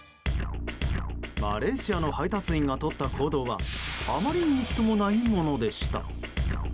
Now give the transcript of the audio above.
マレーシアの配達員がとった行動はあまりにみっともないものでした。